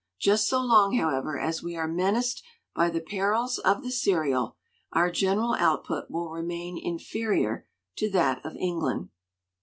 Just so long, however, as we are menaced by the perils of the serial our general output will remain in ferior to that of England.